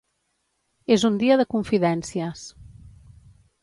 És un dia de confidències.